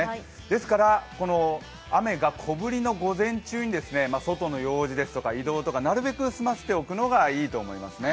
ですから雨が小降りの午前中に外の用事ですとか移動とか、なるべく済ませておくのがいいと思います。